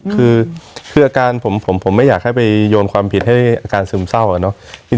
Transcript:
คืออาการผมไม่อยากให้ไปโยนความผิดให้อาการซึมเศร้าอะเนาะ